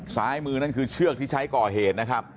ซ้ายมือนั่นคือเชือกที่ใช้ก่อเหตุนะครับ